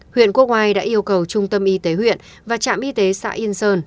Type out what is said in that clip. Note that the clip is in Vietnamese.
huyện quốc oai đã yêu cầu trung tâm y tế huyện và trạm y tế xã yên sơn